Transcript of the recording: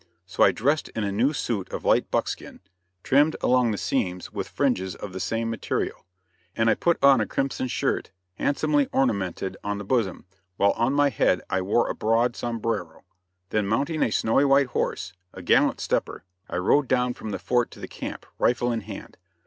So I dressed in a new suit of light buckskin, trimmed along the seams with fringes of the same material; and I put on a crimson shirt handsomely ornamented on the bosom, while on my head I wore a broad sombrero. Then mounting a snowy white horse a gallant stepper I rode down from the fort to the camp, rifle in hand.